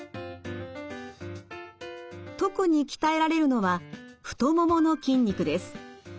特に鍛えられるのは太ももの筋肉です。